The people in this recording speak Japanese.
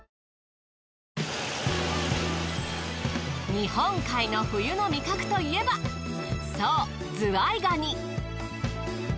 日本海の冬の味覚といえばそうズワイガニ。